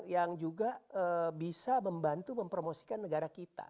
yang juga bisa membantu mempromosikan negara kita